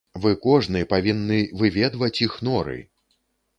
Вы кожны павінны выведваць іх норы!